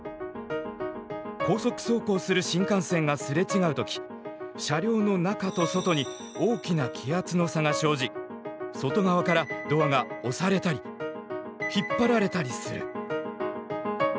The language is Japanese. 高速走行する新幹線がすれ違う時車両の中と外に大きな気圧の差が生じ外側からドアが押されたり引っ張られたりする。